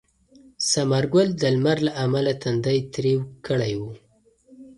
ثمر ګل د لمر له امله تندی تریو کړی و.